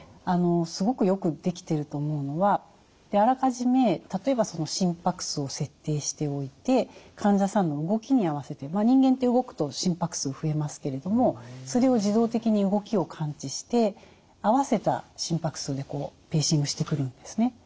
すごくよく出来てると思うのはあらかじめ例えば心拍数を設定しておいて患者さんの動きに合わせて人間って動くと心拍数増えますけれどもそれを自動的に動きを感知して合わせた心拍数でペーシングしてくるんですね。